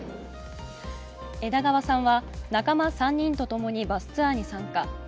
枝川さんは仲間３人とともにバスツアーに参加。